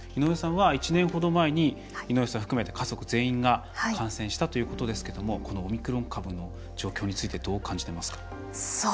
井上さんは１年ほど前に井上さん含めて家族全員が感染したということですけどもこのオミクロン株の状況についてどう感じてますか？